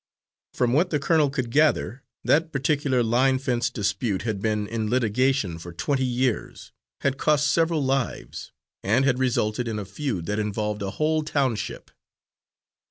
From what the colonel could gather, that particular line fence dispute had been in litigation for twenty years, had cost several lives, and had resulted in a feud that involved a whole township.